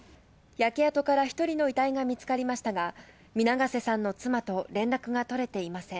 焼け跡から１人の遺体が見つかりましたが、皆ケ瀬さんの妻と連絡が取れていません。